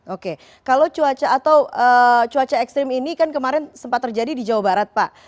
oke kalau cuaca atau cuaca ekstrim ini kan kemarin sempat terjadi di jawa barat pak